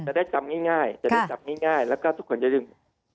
จะได้จำง่ายแล้วก็ทุกคนจะดึง